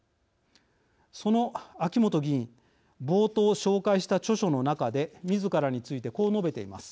その秋本議員冒頭紹介した著書の中で自らについてこう述べています。